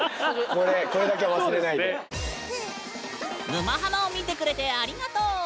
「沼ハマ」を見てくれてありがとう！